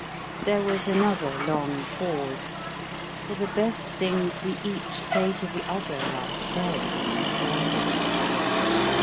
There was another long pause; for the best things we each say to the other are said in the pauses.